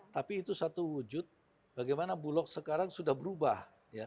tapi itu satu wujud bagaimana bulog sekarang sudah berubah